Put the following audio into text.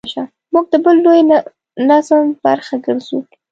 موږ د بل لوی نظم برخه ګرځو.